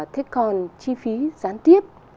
thế còn chi phí gián tiếp